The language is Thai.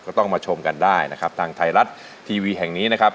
ต้องมาชมกันได้นะครับทางไทยรัฐทีวีแห่งนี้นะครับ